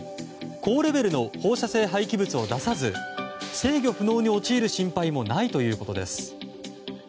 高レベルの放射性廃棄物を出さず制御不能に陥る心配もないということです。